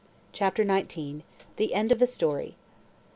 CHAPTER XIX. THE END OF THE STORY.